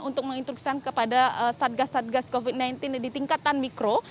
untuk menginstruksikan kepada satgas satgas covid sembilan belas di tingkatan mikro